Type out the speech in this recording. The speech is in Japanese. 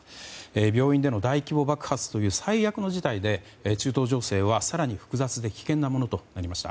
病院での大規模爆発という最悪の事態で中東情勢は更に複雑で危険なものとなりました。